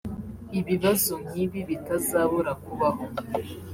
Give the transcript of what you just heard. ibibazo nk’ibi bitazabura kubaho